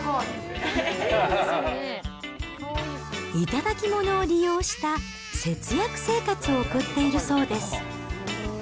頂き物を利用した節約生活を送っているそうです。